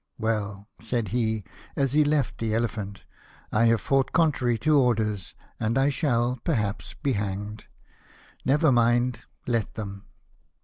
'■' Well," said he, as he left the JSlepJmnt, " I have fought contrary to orders, and I shall, perhaps, be hanged. Never mind : let them